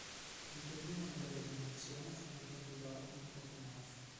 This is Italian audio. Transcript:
Il suo primo modello di animazione fu un candy bar antropomorfo.